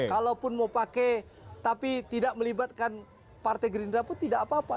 kalaupun mau pakai tapi tidak melibatkan partai gerindra pun tidak apa apa